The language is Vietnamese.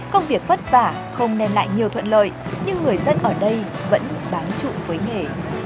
công việc phất phả không nên lại nhiều thuận lợi nhưng người dân ở đây vẫn bán trụ với nghề